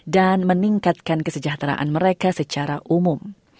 dan meningkatkan kesejahteraan mereka secara umum